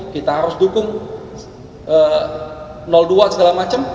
kita harus dukung dua segala macam